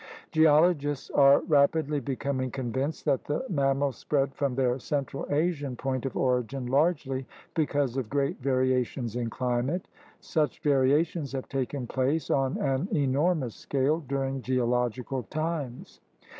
Geologists are rapidly becoming convinced that the mammals spread from their central Asian point of origin largely because of great variations in climate/ Such variations have taken place on an enormous scale during geological times.